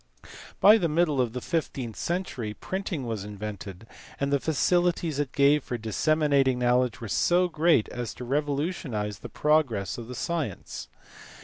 By the middle of the fifteenth century printing was in vented, and the facilities it gave for disseminating knowledge were so great as to revolutionize the progress of science.